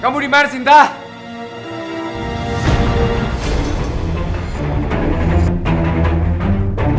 kamu harus bantuin aku raju